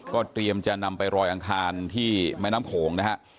เตรียมจะนำไปรอยอังคารที่แม่น้ำโขงนะฮะ